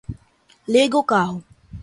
Ligue o carro